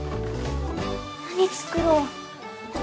何作ろう。